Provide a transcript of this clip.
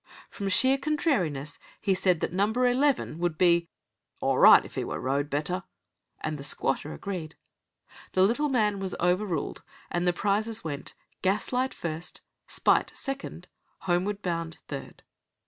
From sheer contrariness he said that Number Eleven would be "all right if he were rode better," and the squatter agreed. The little man was overruled, and the prizes went Gaslight, first; Spite, second; Homeward Bound, third.